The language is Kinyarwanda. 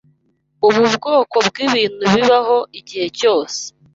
Ubu bwoko bwibintu bibaho igihe cyose.